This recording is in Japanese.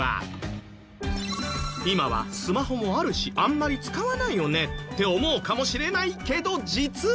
今はスマホもあるしあんまり使わないよねって思うかもしれないけど実は。